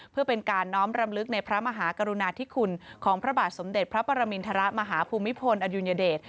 เพื่อเป็นการน้อมรำลึกในพระมหากรุณาธิคุณของพระบาทสมเด็จพระปรมินทรมาฮภูมิพลอดุญเดช